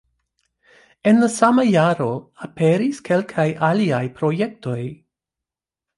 En la sama jaro aperis kelkaj aliaj projektoj.